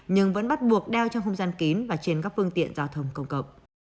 nhưng vẫn bắt buộc đeo trong không gian kín và trên các phương tiện giao thông công cộng